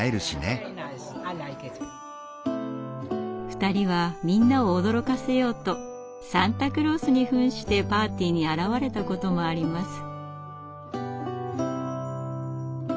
二人はみんなを驚かせようとサンタクロースに扮してパーティーに現れたこともあります。